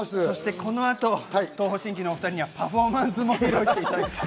この後、東方神起のお２人にはパフォーマンス、披露していただきます。